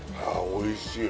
おいしい